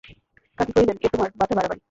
কাকী কহিলেন, এ তোমার, বাছা, বাড়াবাড়ি।